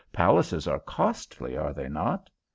"Palaces are costly, are they not?"